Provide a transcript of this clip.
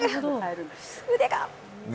腕が。